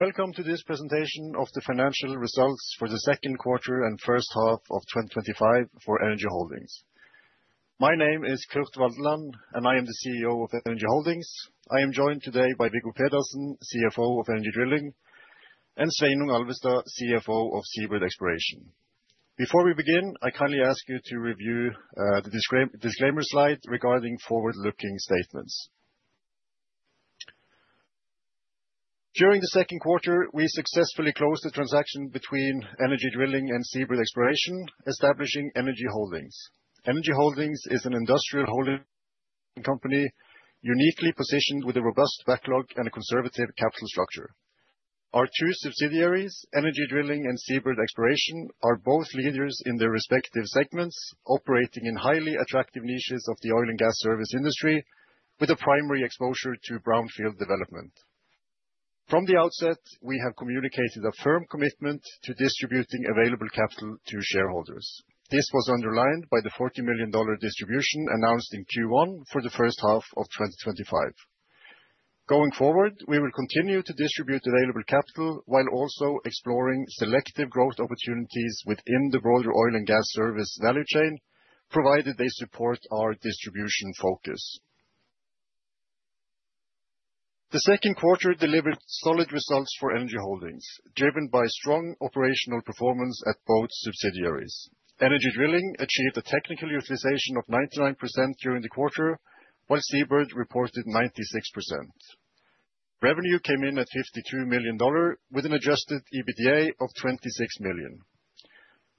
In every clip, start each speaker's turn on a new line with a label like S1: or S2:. S1: Welcome to this presentation of the Financial Results for the Second Quarter and First Half of 2025 for Energy Holdings. My name is Kurt Waldeland, and I am the CEO of Energy Holdings. I am joined today by Viggo Pedersen, CFO of Energy Drilling, and Sveinung Alvestad, CFO of SeaBird Exploration. Before we begin, I kindly ask you to review the disclaimer slide regarding forward-looking statements. During the second quarter, we successfully closed the transaction between Energy Drilling and SeaBird Exploration, establishing Energy Holdings. Energy Holdings is an industrial holding company, uniquely positioned with a robust backlog and a conservative capital structure. Our two subsidiaries, Energy Drilling and SeaBird Exploration, are both leaders in their respective segments, operating in highly attractive niches of the oil and gas service industry, with a primary exposure to brownfield development. From the outset, we have communicated a firm commitment to distributing available capital to shareholders. This was underlined by the $40 million distribution announced in Q1 for the first half of 2025. Going forward, we will continue to distribute available capital while also exploring selective growth opportunities within the broader oil and gas service value chain, provided they support our distribution focus. The second quarter delivered solid results for Energy Holdings, driven by strong operational performance at both subsidiaries. Energy Drilling achieved a technical utilization of 99% during the quarter, while SeaBird reported 96%. Revenue came in at $52 million, with an adjusted EBITDA of $26 million.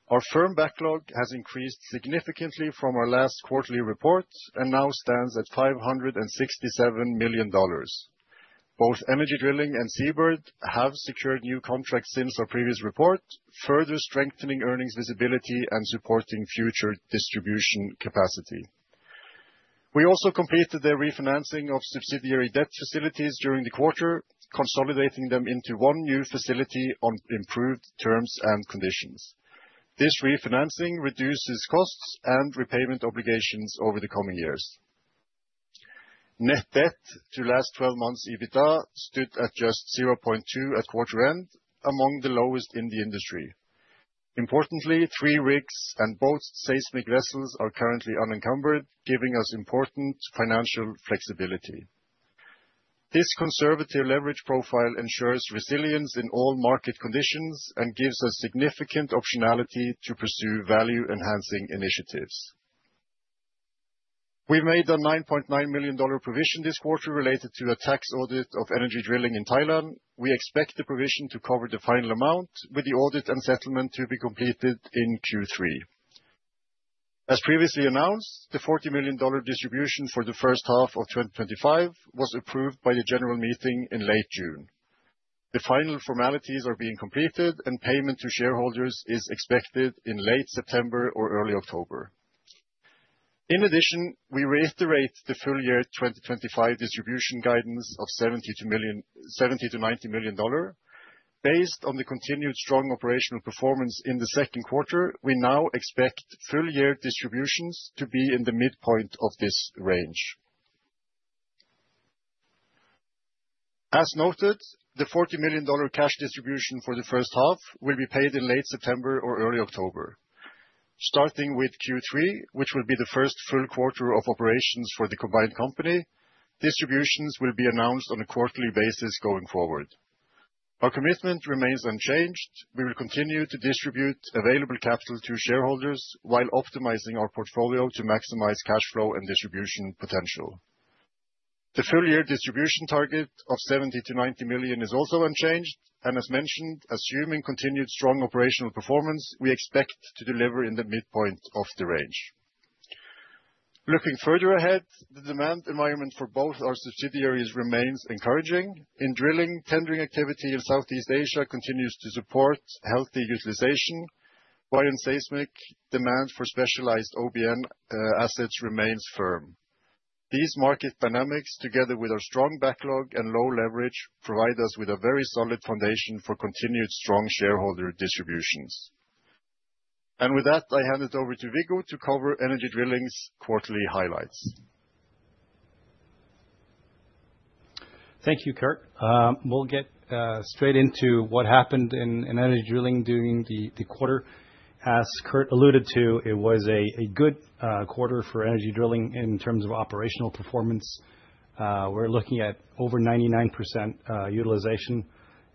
S1: Our firm backlog has increased significantly from our last quarterly report and now stands at $567 million. Both Energy Drilling and SeaBird have secured new contracts since our previous report, further strengthening earnings visibility and supporting future distribution capacity. We also completed the refinancing of subsidiary debt facilities during the quarter, consolidating them into one new facility on improved terms and conditions. This refinancing reduces costs and repayment obligations over the coming years. Net debt to last 12 months' EBITDA stood at just 0.2% at quarter end, among the lowest in the industry. Importantly, three rigs and both seismic vessels are currently unencumbered, giving us important financial flexibility. This conservative leverage profile ensures resilience in all market conditions and gives us significant optionality to pursue value-enhancing initiatives. We made a $9.9 million provision this quarter related to a tax audit of Energy Drilling in Thailand. We expect the provision to cover the final amount, with the audit and settlement to be completed in Q3. As previously announced, the $40 million distribution for the first half of 2025 was approved by the general meeting in late June. The final formalities are being completed, and payment to shareholders is expected in late September or early October. In addition, we reiterate the full-year 2025 distribution guidance of $70 million-$90 million. Based on the continued strong operational performance in the second quarter, we now expect full-year distributions to be in the midpoint of this range. As noted, the $40 million cash distribution for the first half will be paid in late September or early October. Starting with Q3, which will be the first full quarter of operations for the combined company, distributions will be announced on a quarterly basis going forward. Our commitment remains unchanged; we will continue to distribute available capital to shareholders while optimizing our portfolio to maximize cash flow and distribution potential. The full-year distribution target of $70 million-$90 million is also unchanged, and as mentioned, assuming continued strong operational performance, we expect to deliver in the midpoint of the range. Looking further ahead, the demand environment for both our subsidiaries remains encouraging. In drilling, tendering activity in Southeast Asia continues to support healthy utilization, while in seismic, demand for specialized OBN assets remains firm. These market dynamics, together with our strong backlog and low leverage, provide us with a very solid foundation for continued strong shareholder distributions. I hand it over to Viggo to cover Energy Drilling's quarterly highlights.
S2: Thank you, Kurt. We'll get straight into what happened in Energy Drilling during the quarter. As Kurt alluded to, it was a good quarter for Energy Drilling in terms of operational performance. We're looking at over 99% utilization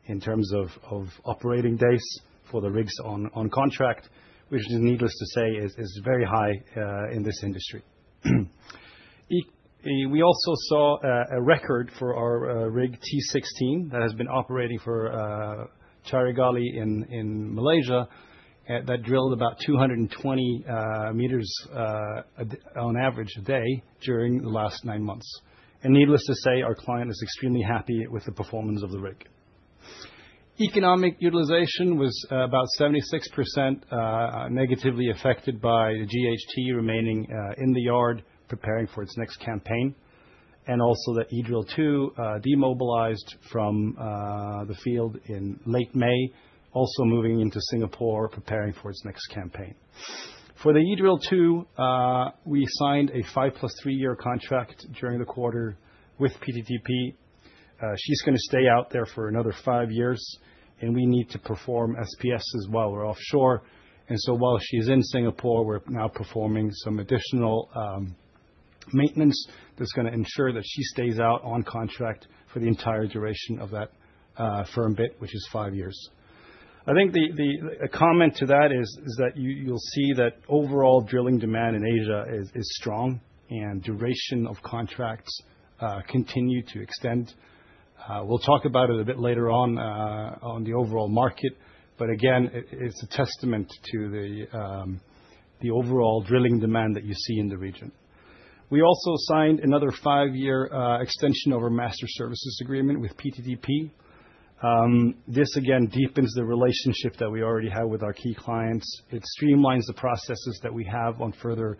S2: in terms of operating days for the rigs on contract, which is, needless to say, very high in this industry. We also saw a record for our rig T-16 that has been operating for Carigali in Malaysia that drilled about 220 m on average a day during the last nine months. Needless to say, our client is extremely happy with the performance of the rig. Economic utilization was about 76%, negatively affected by the GHT remaining in the yard preparing for its next campaign, and also the EDrill-2 demobilized from the field in late May, also moving into Singapore preparing for its next campaign. For the EDrill-2, we signed a 5 + 3 year contract during the quarter with PTTEP. She's going to stay out there for another five years, and we need to perform SPS as well. We're offshore, and while she's in Singapore, we're now performing some additional maintenance that's going to ensure that she stays out on contract for the entire duration of that firm bit, which is five years. I think the comment to that is that you'll see that overall drilling demand in Asia is strong, and duration of contracts continue to extend. We'll talk about it a bit later on the overall market, but again, it's a testament to the overall drilling demand that you see in the region. We also signed another five-year extension of our master services agreement with PTTEP. This again deepens the relationship that we already have with our key clients. It streamlines the processes that we have on further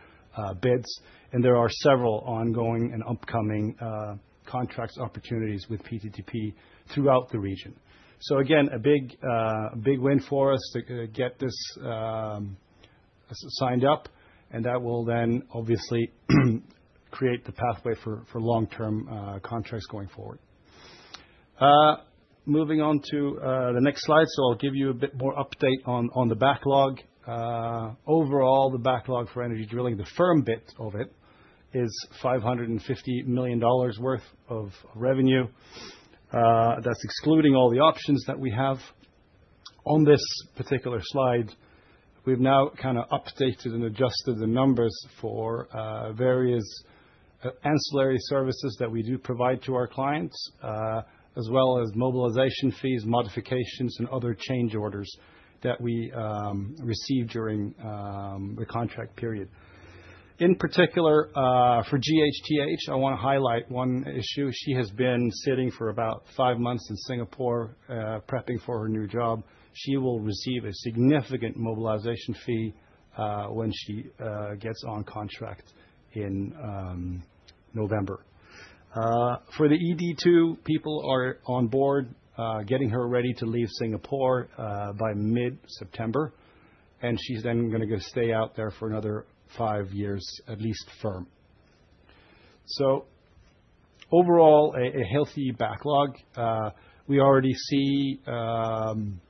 S2: bids, and there are several ongoing and upcoming contract opportunities with PTTEP throughout the region. A big win for us to get this signed up, and that will then obviously create the pathway for long-term contracts going forward. Moving on to the next slide, I'll give you a bit more update on the backlog. Overall, the backlog for Energy Drilling, the firm bit of it, is $550 million worth of revenue. That's excluding all the options that we have. On this particular slide, we've now kind of updated and adjusted the numbers for various ancillary services that we do provide to our clients, as well as mobilization fees, modifications, and other change orders that we receive during the contract period. In particular, for GHTH, I want to highlight one issue. She has been sitting for about five months in Singapore prepping for her new job. She will receive a significant mobilization fee when she gets on contract in November. For the eD-2, people are on board, getting her ready to leave Singapore by mid-September, and she's then going to go stay out there for another five years, at least firm. Overall, a healthy backlog. We already see some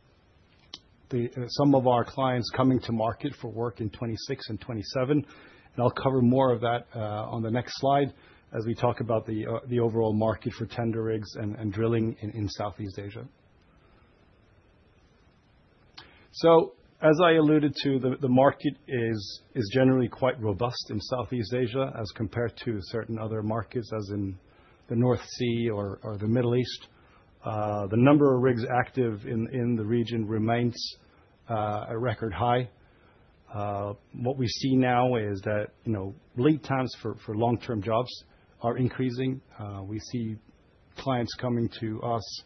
S2: of our clients coming to market for work in 2026 and 2027, and I'll cover more of that on the next slide as we talk about the overall market for tender rigs and drilling in Southeast Asia. As I alluded to, the market is generally quite robust in Southeast Asia as compared to certain other markets, as in the North Sea or the Middle East. The number of rigs active in the region remains a record high. What we see now is that lead times for long-term jobs are increasing. We see clients coming to us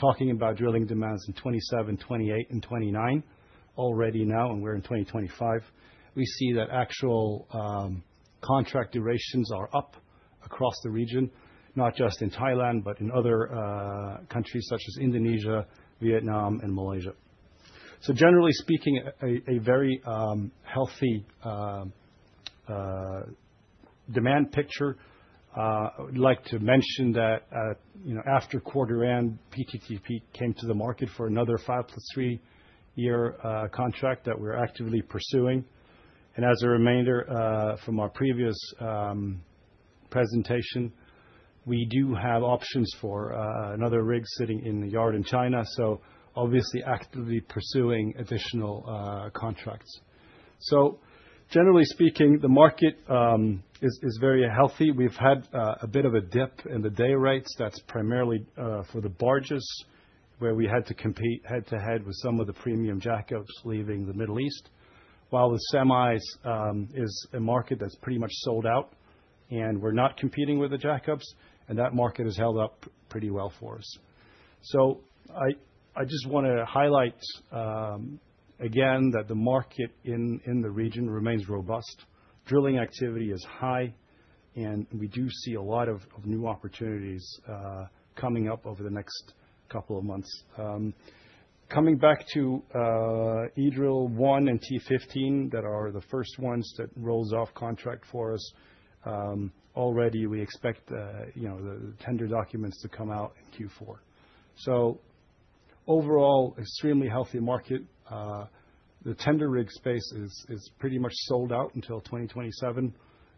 S2: talking about drilling demands in 2027, 2028, and 2029 already now, and we're in 2025. We see that actual contract durations are up across the region, not just in Thailand, but in other countries such as Indonesia, Vietnam, and Malaysia. Generally speaking, a very healthy demand picture. I'd like to mention that after quarter end, PTTEP came to the market for another 5 + 3 year contract that we're actively pursuing. As a reminder from our previous presentation, we do have options for another rig sitting in the yard in China, so obviously actively pursuing additional contracts. Generally speaking, the market is very healthy. We've had a bit of a dip in the day rates. That's primarily for the barges, where we had to compete head-to-head with some of the premium jackups leaving the Middle East, while the semis is a market that's pretty much sold out, and we're not competing with the jackups, and that market has held up pretty well for us. I just want to highlight again that the market in the region remains robust. Drilling activity is high, and we do see a lot of new opportunities coming up over the next couple of months. Coming back to EDrill-1 and T-15, that are the first ones that roll off contract for us. Already, we expect the tender documents to come out in Q4. Overall, extremely healthy market. The tender rig space is pretty much sold out until 2027,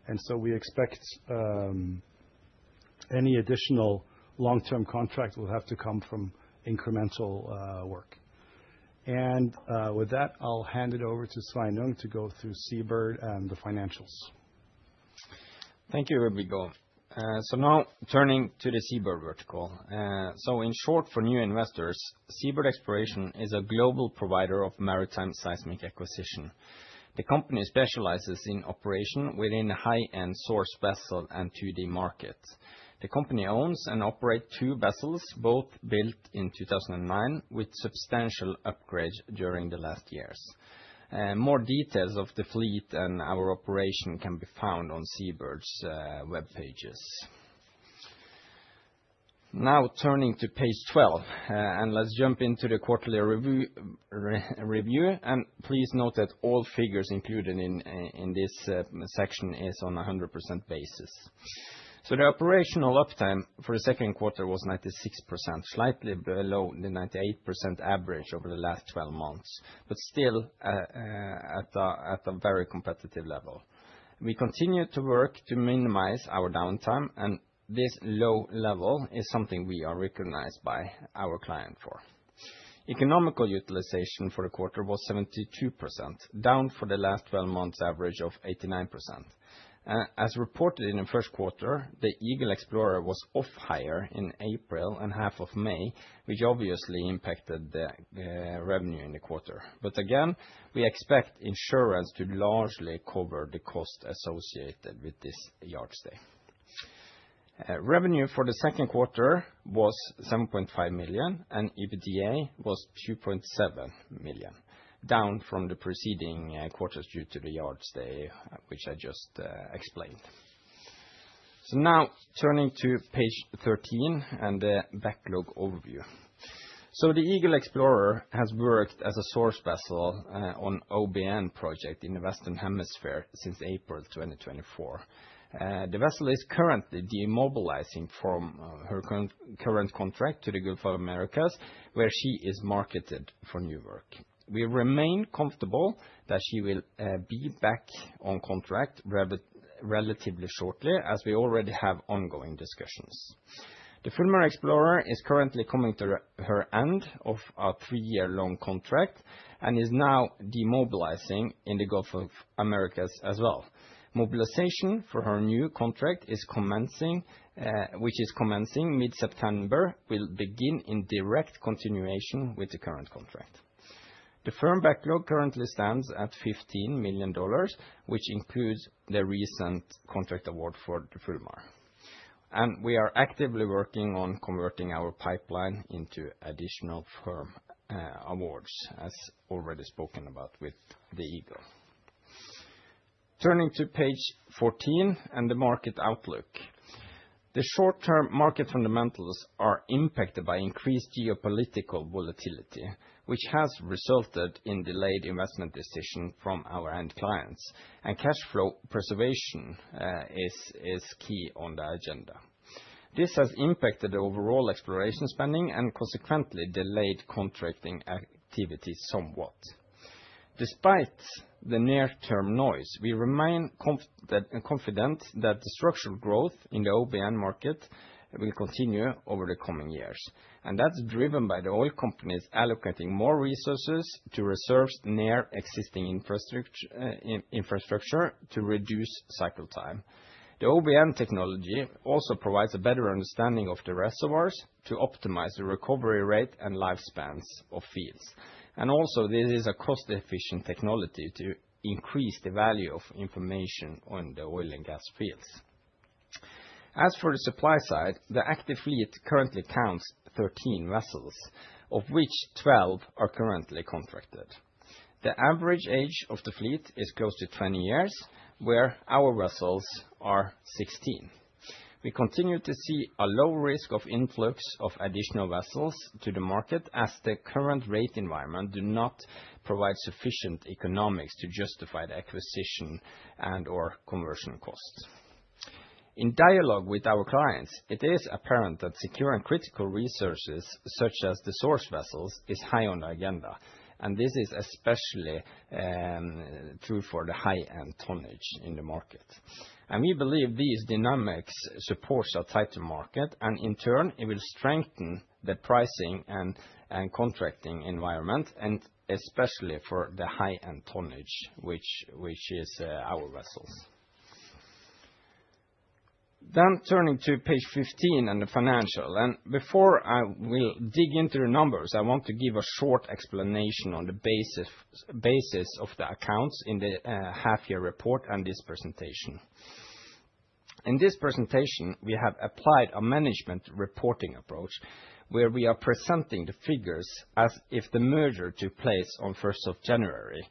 S2: and we expect any additional long-term contracts will have to come from incremental work. With that, I'll hand it over to Sveinung to go through SeaBird Exploration and the financials.
S3: Thank you, Viggo. Now turning to the SeaBird vertical. In short, for new investors, SeaBird Exploration is a global provider of maritime seismic acquisition. The company specializes in operation within the high-end source vessel and 2D markets. The company owns and operates two vessels, both built in 2009, with substantial upgrades during the last years. More details of the fleet and our operation can be found on SeaBird's web pages. Now turning to page 12, let's jump into the quarterly review. Please note that all figures included in this section are on a 100% basis. The operational uptime for the second quarter was 96%, slightly below the 98% average over the last 12 months, but still at a very competitive level. We continue to work to minimize our downtime, and this low level is something we are recognized by our client for. Economical utilization for the quarter was 72%, down from the last 12 months' average of 89%. As reported in the first quarter, the Eagle Explorer was off hire in April and half of May, which obviously impacted the revenue in the quarter. We expect insurance to largely cover the cost associated with this yard stay. Revenue for the second quarter was $7.5 million, and EBITDA was $2.7 million, down from the preceding quarters due to the yard stay, which I just explained. Now turning to page 13 and the backlog overview. The Eagle Explorer has worked as a source vessel on an OBN project in the Western Hemisphere since April 2024. The vessel is currently demobilizing from her current contract to the Gulf of the Americas, where she is marketed for new work. We remain comfortable that she will be back on contract relatively shortly, as we already have ongoing discussions. The Fulmar Explorer is currently coming to her end of a three-year-long contract and is now demobilizing in the Gulf of the Americas as well. Mobilization for her new contract, which is commencing mid-September, will begin in direct continuation with the current contract. The firm backlog currently stands at $15 million, which includes the recent contract award for the Fulmar. We are actively working on converting our pipeline into additional firm awards, as already spoken about with the Eagle. Turning to page 14 and the market outlook. The short-term market fundamentals are impacted by increased geopolitical volatility, which has resulted in delayed investment decisions from our end clients, and cash flow preservation is key on the agenda. This has impacted the overall exploration spending and consequently delayed contracting activity somewhat. Despite the near-term noise, we remain confident that the structural growth in the OBN market will continue over the coming years. That is driven by the oil companies allocating more resources to reserve near existing infrastructure to reduce cycle time. The OBN technology also provides a better understanding of the reservoirs to optimize the recovery rate and lifespans of fields. This is a cost-efficient technology to increase the value of information on the oil and gas fields. As for the supply side, the active fleet currently counts 13 vessels, of which 12 are currently contracted. The average age of the fleet is close to 20 years, where our vessels are 16. We continue to see a low risk of influx of additional vessels to the market as the current rate environment does not provide sufficient economics to justify the acquisition and/or conversion costs. In dialogue with our clients, it is apparent that securing critical resources such as the source vessels is high on the agenda, and this is especially true for the high-end tonnage in the market. We believe these dynamics support a tighter market, and in turn, it will strengthen the pricing and contracting environment, especially for the high-end tonnage, which is our vessel. Turning to page 15 and the financial. Before I will dig into the numbers, I want to give a short explanation on the basis of the accounts in the half-year report and this presentation. In this presentation, we have applied a management reporting approach, where we are presenting the figures as if the merger took place on 1st of January,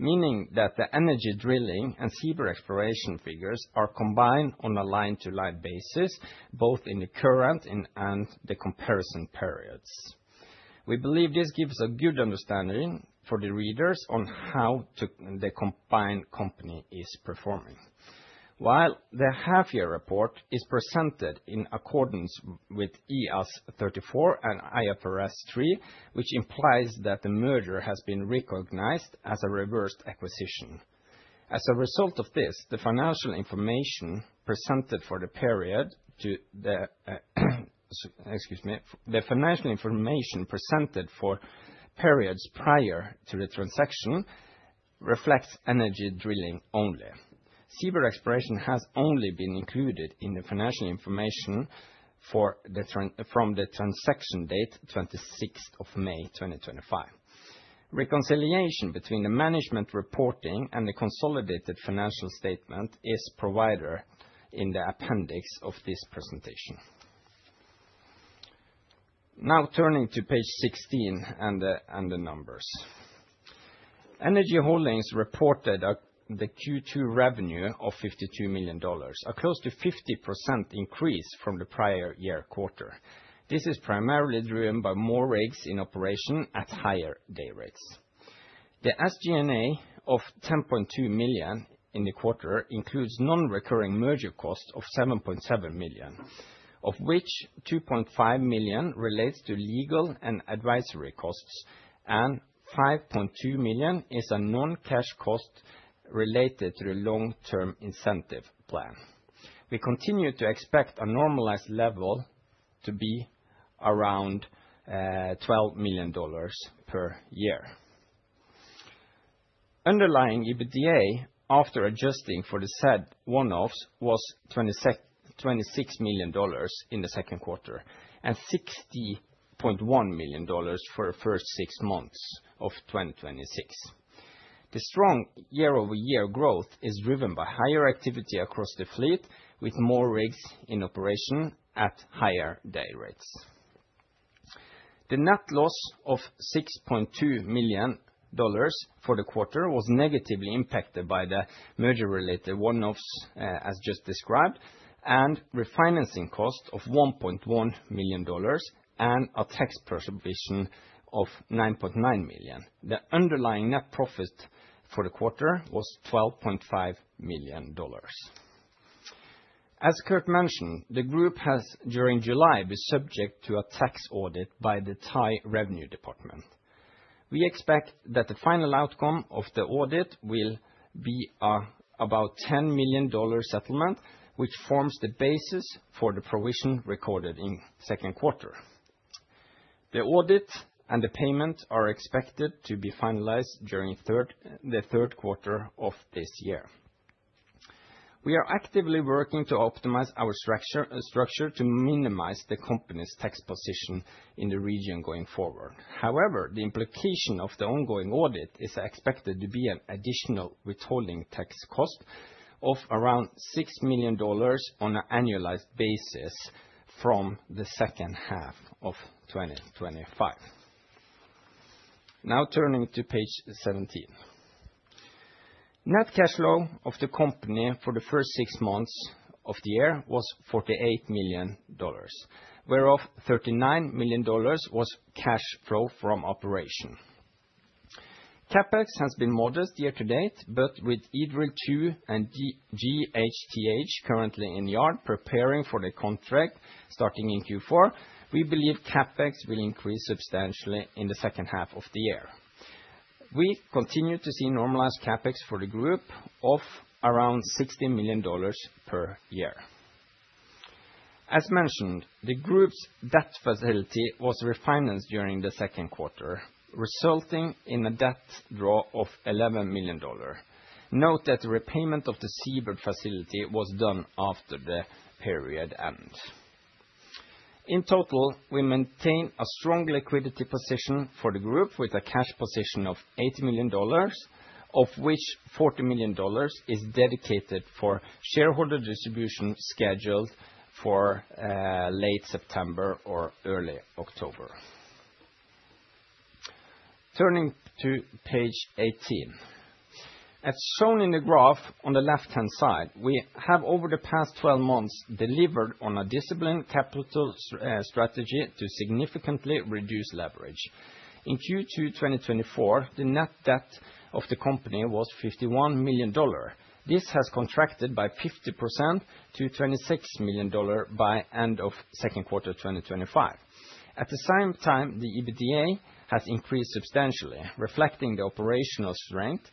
S3: meaning that the Energy Drilling and SeaBird Exploration figures are combined on a line-to-line basis, both in the current and the comparison periods. We believe this gives a good understanding for the readers on how the combined company is performing. While the half-year report is presented in accordance with IAS 34 and IFRS 3, which implies that the merger has been recognized as a reversed acquisition. As a result of this, the financial information presented for the period to the financial information presented for periods prior to the transaction reflects Energy Drilling only. SeaBird Exploration has only been included in the financial information from the transaction date 26th of May 2025. Reconciliation between the management reporting and the consolidated financial statement is provided in the appendix of this presentation. Now turning to page 16 and the numbers. Energy Holdings reported the Q2 revenue of $52 million, a close to 50% increase from the prior year quarter. This is primarily driven by more rigs in operation at higher day rates. The SG&A of $10.2 million in the quarter includes non-recurring merger costs of $7.7 million, of which $2.5 million relates to legal and advisory costs, and $5.2 million is a non-cash cost related to the long-term incentive plan. We continue to expect a normalized level to be around $12 million per year. Underlying EBITDA after adjusting for the said one-offs was $26 million in the second quarter and $60.1 million for the first six months of 2026. The strong year-over-year growth is driven by higher activity across the fleet, with more rigs in operation at higher day rates. The net loss of $6.2 million for the quarter was negatively impacted by the merger-related one-offs as just described, and refinancing costs of $1.1 million and a tax provision of $9.9 million. The underlying net profit for the quarter was $12.5 million. As Kurt mentioned, the group has during July been subject to a tax audit by the Thai Revenue Department. We expect that the final outcome of the audit will be about a $10 million settlement, which forms the basis for the provision recorded in the second quarter. The audit and the payments are expected to be finalized during the third quarter of this year. We are actively working to optimize our structure to minimize the company's tax position in the region going forward. However, the implication of the ongoing audit is expected to be an additional withholding tax cost of around $6 million on an annualized basis from the second half of 2025. Now turning to page 17. Net cash flow of the company for the first six months of the year was $48 million, whereas $39 million was cash flow from operation. CapEx has been modest year to date, but with EDrill-2 and GHTH currently in the yard preparing for the contract starting in Q4, we believe CapEx will increase substantially in the second half of the year. We continue to see normalized CapEx for the group of around $60 million per year. As mentioned, the group's debt facility was refinanced during the second quarter, resulting in a debt draw of $11 million. Note that the repayment of the SeaBird facility was done after the period ends. In total, we maintain a strong liquidity position for the group with a cash position of $80 million, of which $40 million is dedicated for shareholder distribution scheduled for late September or early October. Turning to page 18. As shown in the graph on the left-hand side, we have over the past 12 months delivered on a disciplined capital strategy to significantly reduce leverage. In Q2 2024, the net debt of the company was $51 million. This has contracted by 50% to $26 million by the end of the second quarter of 2025. At the same time, the EBITDA has increased substantially, reflecting the operational strength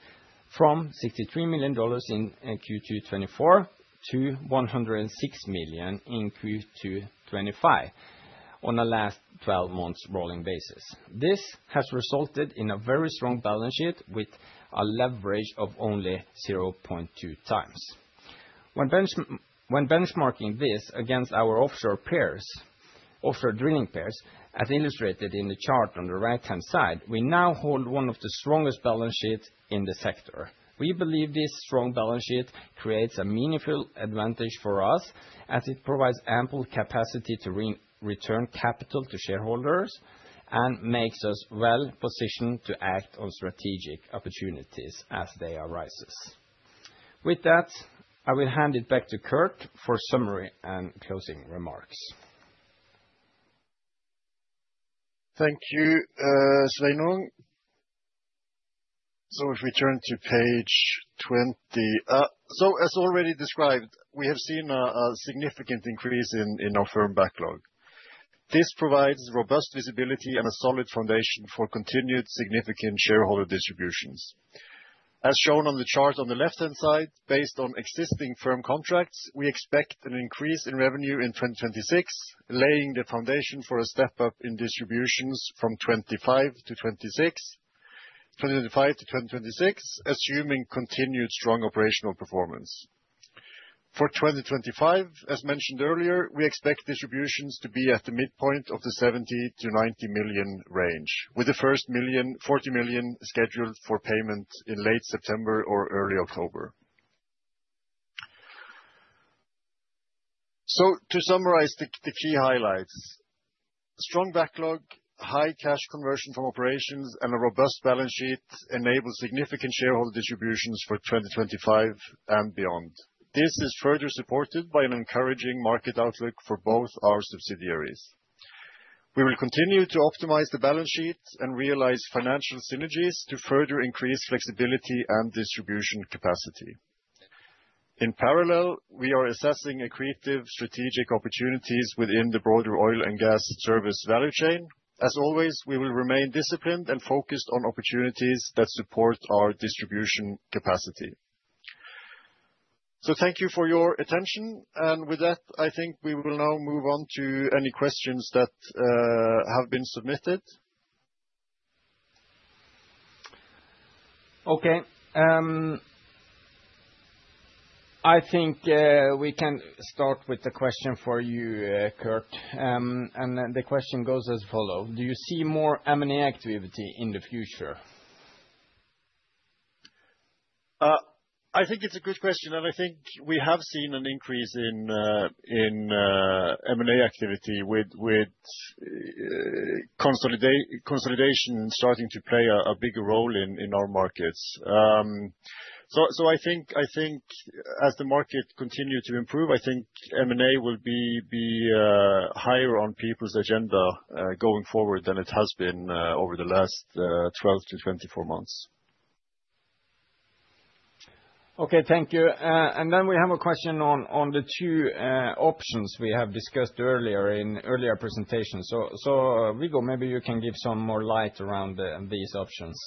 S3: from $63 million in Q2 2024 to $106 million in Q2 2025 on the last 12 months' rolling basis. This has resulted in a very strong balance sheet with a leverage of only 0.2x. When benchmarking this against our offshore drilling peers, as illustrated in the chart on the right-hand side, we now hold one of the strongest balance sheets in the sector. We believe this strong balance sheet creates a meaningful advantage for us, as it provides ample capacity to return capital to shareholders and makes us well-positioned to act on strategic opportunities as they arise. With that, I will hand it back to Kurt for summary and closing remarks.
S1: Thank you, Sveinung. If we turn to page 20, as already described, we have seen a significant increase in our firm backlog. This provides robust visibility and a solid foundation for continued significant shareholder distributions. As shown on the chart on the left-hand side, based on existing firm contracts, we expect an increase in revenue in 2026, laying the foundation for a step up in distributions from 2025 to 2026, assuming continued strong operational performance. For 2025, as mentioned earlier, we expect distributions to be at the midpoint of the $70 million-$90 million range, with the first $40 million scheduled for payment in late September or early October. To summarize the key highlights, a strong backlog, high cash conversion from operations, and a robust balance sheet enable significant shareholder distributions for 2025 and beyond. This is further supported by an encouraging market outlook for both our subsidiaries. We will continue to optimize the balance sheets and realize financial synergies to further increase flexibility and distribution capacity. In parallel, we are assessing accretive strategic opportunities within the broader oil and gas service value chain. As always, we will remain disciplined and focused on opportunities that support our distribution capacity. Thank you for your attention. With that, I think we will now move on to any questions that have been submitted.
S3: Okay. I think we can start with the question for you, Kurt. The question goes as follows. Do you see more M&A activity in the future?
S1: I think it's a good question, and I think we have seen an increase in M&A activity, with consolidation starting to play a bigger role in our markets. As the market continues to improve, I think M&A will be higher on people's agenda going forward than it has been over the last 12 to 24 months.
S3: Okay. Thank you. We have a question on the two options we have discussed earlier in earlier presentations. Viggo, maybe you can give some more light around these options.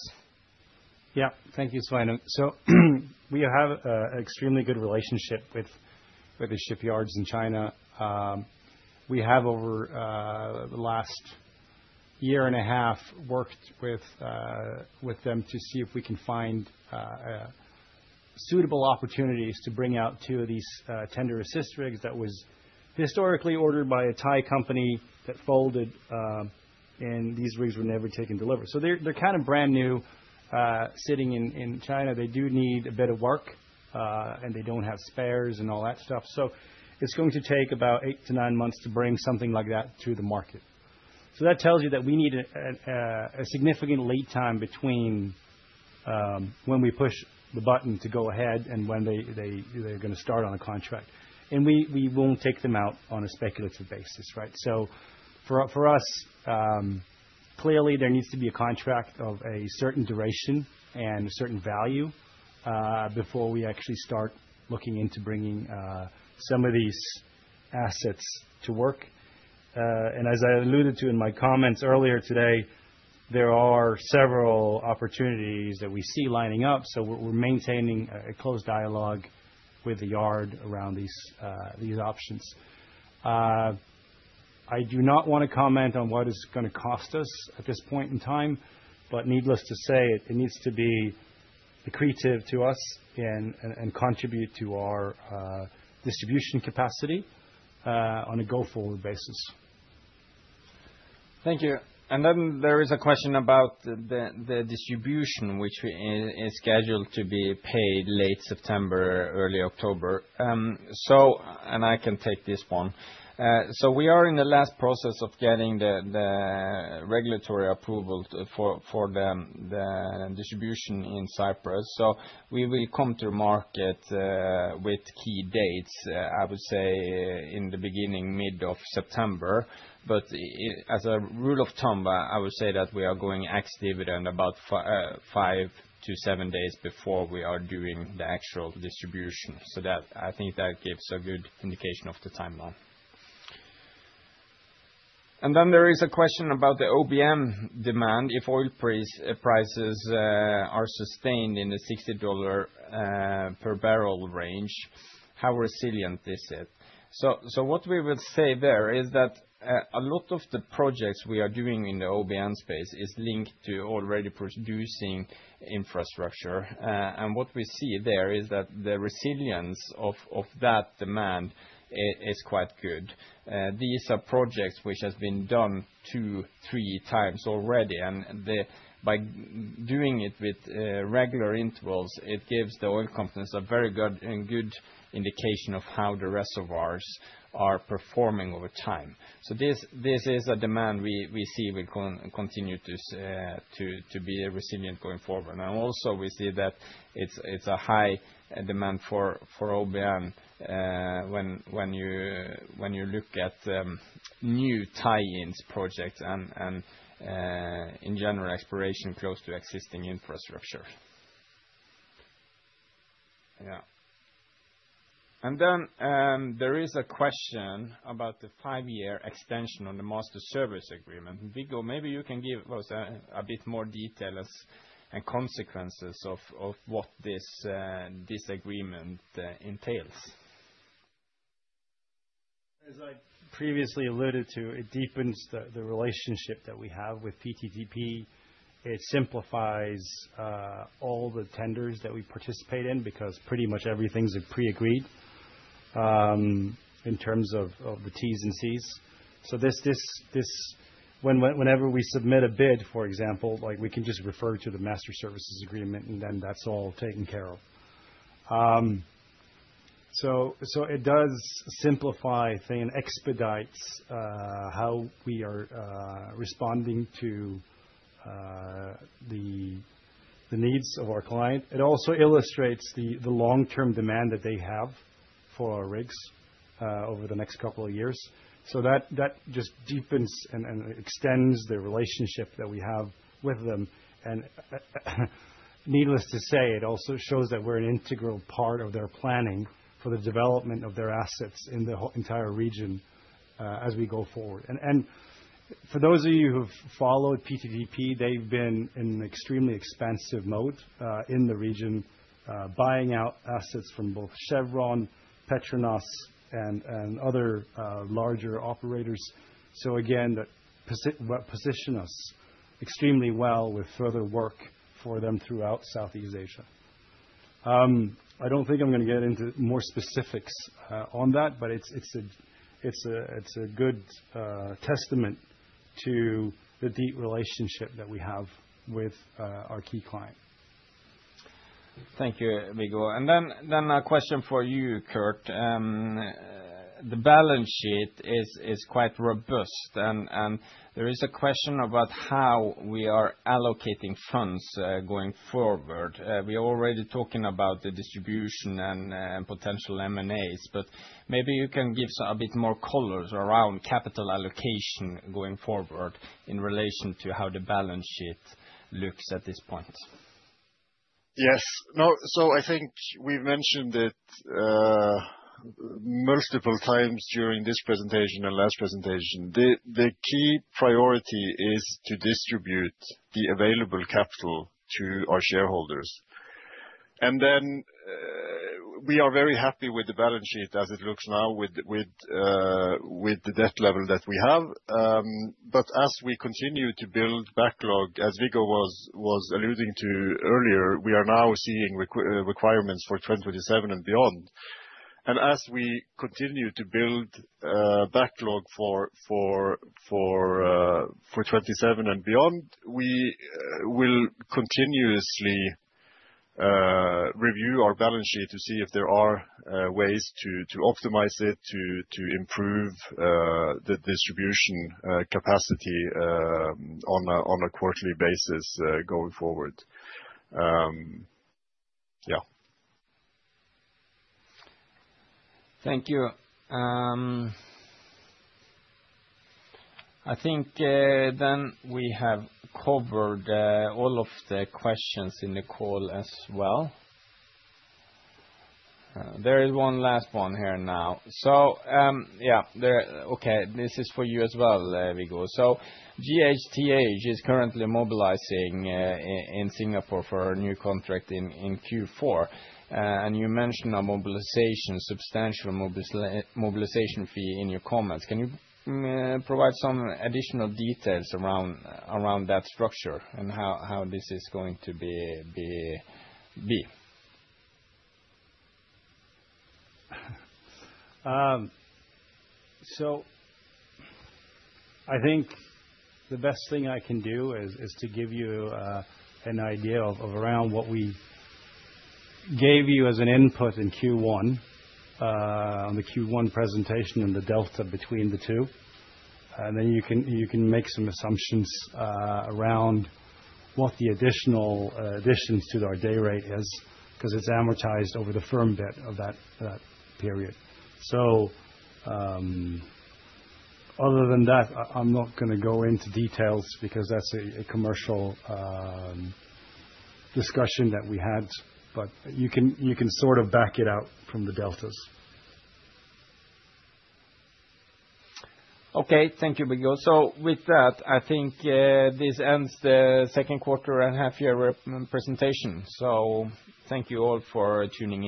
S2: Thank you, Sveinung. We have an extremely good relationship with the shipyards in China. We have, over the last year and a half, worked with them to see if we can find suitable opportunities to bring out two of these tender assist rigs that were historically ordered by a Thai company that folded, and these rigs were never taken delivered. They're kind of brand new sitting in China. They do need a bit of work, and they don't have spares and all that stuff. It's going to take about eight to nine months to bring something like that to the market. That tells you that we need a significant lead time between when we push the button to go ahead and when they're going to start on a contract. We won't take them out on a speculative basis, right? For us, clearly, there needs to be a contract of a certain duration and a certain value before we actually start looking into bringing some of these assets to work. As I alluded to in my comments earlier today, there are several opportunities that we see lining up. We're maintaining a close dialogue with the yard around these options. I do not want to comment on what it's going to cost us at this point in time, but needless to say, it needs to be accretive to us and contribute to our distribution capacity on a go-forward basis.
S3: Thank you. There is a question about the distribution, which is scheduled to be paid late September, early October. I can take this one. We are in the last process of getting the regulatory approval for the distribution in Cyprus. We will come to market with key dates, I would say, in the beginning or mid of September. As a rule of thumb, I would say that we are going ex-dividend about five to seven days before we are doing the actual distribution. I think that gives a good indication of the timeline. There is a question about the OBN demand. If oil prices are sustained in the $60 per barrel range, how resilient is it? What we will say there is that a lot of the projects we are doing in the OBN space are linked to already producing infrastructure. What we see there is that the resilience of that demand is quite good. These are projects which have been done two, three times already. By doing it with regular intervals, it gives the oil companies a very good indication of how the reservoirs are performing over time. This is a demand we see will continue to be resilient going forward. Also, we see that it's a high demand for OBN when you look at new tie-ins projects and in general exploration close to existing infrastructure. There is a question about the five-year extension on the master services agreement. Viggo, maybe you can give us a bit more details and consequences of what this agreement entails.
S2: As I previously alluded to, it deepens the relationship that we have with PTTEP. It simplifies all the tenders that we participate in because pretty much everything's pre-agreed in terms of the Ts and Cs. Whenever we submit a bid, for example, we can just refer to the master services agreement, and then that's all taken care of. It does simplify and expedite how we are responding to the needs of our client. It also illustrates the long-term demand that they have for our rigs over the next couple of years. That just deepens and extends the relationship that we have with them. Needless to say, it also shows that we're an integral part of their planning for the development of their assets in the entire region as we go forward. For those of you who have followed PTTEP, they've been in an extremely expansive mode in the region, buying out assets from both Chevron, Petronas, and other larger operators. That positioned us extremely well with further work for them throughout Southeast Asia. I don't think I'm going to get into more specifics on that, but it's a good testament to the deep relationship that we have with our key client.
S3: Thank you, Viggo. A question for you, Kurt. The balance sheet is quite robust, and there is a question about how we are allocating funds going forward. We are already talking about the distribution and potential M&As, maybe you can give us a bit more color around capital allocation going forward in relation to how the balance sheet looks at this point.
S1: Yes. No. I think we've mentioned it multiple times during this presentation and last presentation. The key priority is to distribute the available capital to our shareholders. We are very happy with the balance sheet as it looks now with the debt level that we have. As we continue to build backlog, as Viggo was alluding to earlier, we are now seeing requirements for 2027 and beyond. As we continue to build backlog for 2027 and beyond, we will continuously review our balance sheet to see if there are ways to optimize it, to improve the distribution capacity on a quarterly basis going forward. Yeah.
S3: Thank you. I think we have covered all of the questions in the call as well. There is one last one here now. This is for you as well, Viggo. GHTH is currently mobilizing in Singapore for a new contract in Q4. You mentioned a substantial mobilization fee in your comments. Can you provide some additional details around that structure and how this is going to be?
S2: I think the best thing I can do is to give you an idea of around what we gave you as an input in Q1, the Q1 presentation, and the delta between the two. You can make some assumptions around what the additional additions to our day rate is because it's amortized over the firm bit of that period. Other than that, I'm not going to go into details because that's a commercial discussion that we had. You can sort of back it out from the deltas.
S3: Okay. Thank you, Viggo. With that, I think this ends the second quarter and half-year presentation. Thank you all for tuning in.